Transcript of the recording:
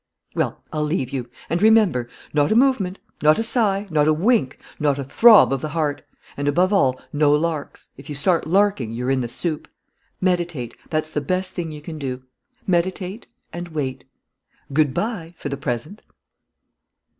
... "Well, I'll leave you. And remember: not a movement, not a sigh, not a wink, not a throb of the heart! And, above all, no larks! If you start larking, you're in the soup. Meditate: that's the best thing you can do. Meditate and wait. Good bye, for the present!"